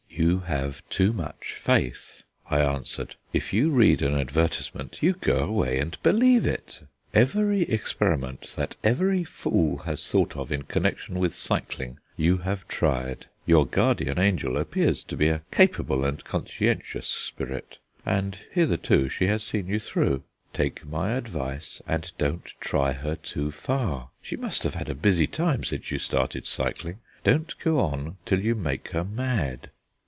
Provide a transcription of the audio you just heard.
"You have too much faith," I answered. "If you read an advertisement, you go away and believe it. Every experiment that every fool has thought of in connection with cycling you have tried. Your guardian angel appears to be a capable and conscientious spirit, and hitherto she has seen you through; take my advice and don't try her too far. She must have had a busy time since you started cycling. Don't go on till you make her mad."